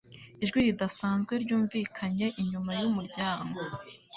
Ijwi ridasanzwe ryumvikanye inyuma yumuryango.